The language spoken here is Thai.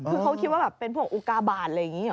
คือเขาคิดว่าแบบเป็นพวกอุกาบาทอะไรอย่างนี้หรอ